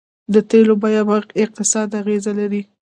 د تیلو بیه په اقتصاد اغیز لري.